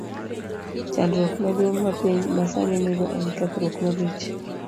Chandruok maduong ' ma piny masani nigo en kethruok malich.